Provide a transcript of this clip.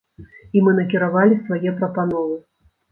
І мы накіравалі свае прапановы.